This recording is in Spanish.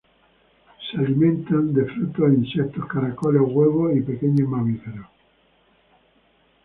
Se alimentan de frutos, insectos, caracoles huevos y pequeños mamíferos.